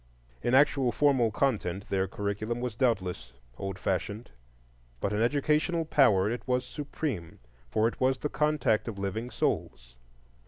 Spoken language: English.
In actual formal content their curriculum was doubtless old fashioned, but in educational power it was supreme, for it was the contact of living souls.